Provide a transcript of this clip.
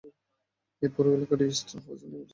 এই পুরো এলাকাটিকে "eastern housing লিঃ" নির্মাণ করেছে।